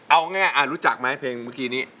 เอาไงรู้จักมั้ยเพลงเพลงเมื่อกี๊นี้